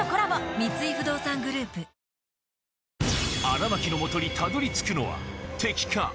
荒牧の元にたどり着くのは敵か？